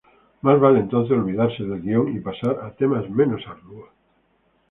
Más vale entonces olvidarse del guion y pasar a temas menos arduos...´´